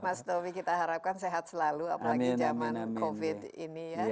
mas taufik kita harapkan sehat selalu apalagi zaman covid ini ya